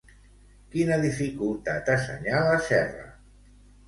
Quina dificultat assenyala Serra?